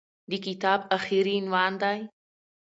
د کتاب اخري عنوان دى.